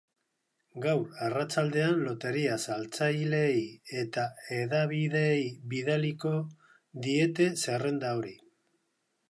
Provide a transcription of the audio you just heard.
Gaur arratsaldean, loteria saltzaileei eta hedabideei bidaliko diete zerrenda hori.